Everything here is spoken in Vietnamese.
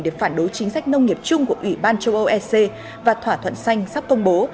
để phản đối chính sách nông nghiệp chung của ủy ban châu âu ec và thỏa thuận xanh sắp công bố